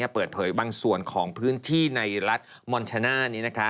เปิดเผยบางส่วนของพื้นที่ในรัฐมอนชาน่า